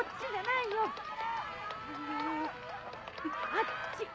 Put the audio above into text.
あっち！